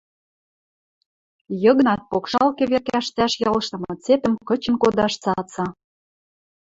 Йыгнат покшал кӹвер кӓштӓш ялштымы цепӹм кычен кодаш цӓцӓ.